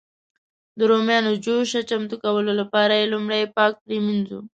د رومیانو جوشه چمتو کولو لپاره لومړی یې پاک پرېمنځي.